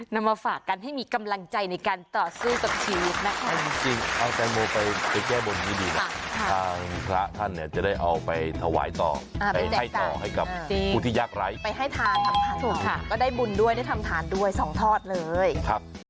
นำมาฝากกันให้มีกำลังใจในการต่อสู้กับชีวิตนะคะ